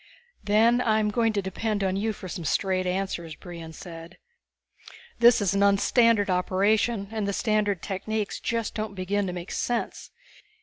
"Then I'm going to depend on you for some straight answers," Brion said. "This is an un standard operation, and the standard techniques just don't begin to make sense.